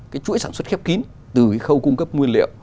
cái chuỗi sản xuất khép kín từ cái khâu cung cấp nguyên liệu